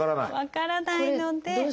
分からないので。